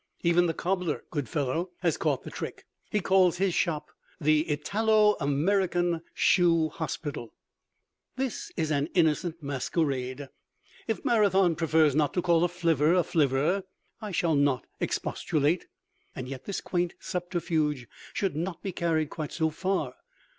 Even the cobbler, good fellow, has caught the trick; he calls his shop the "Italo American Shoe Hospital." This is an innocent masquerade! If Marathon prefers not to call a flivver a flivver, I shall not expostulate. And yet this quaint subterfuge should not be carried quite so far.